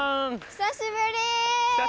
久しぶり！